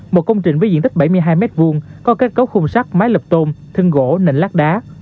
một công trình với diện tích bảy mươi hai m hai có kết cấu khung sắt mái lập tôn thân gỗ nền lát đá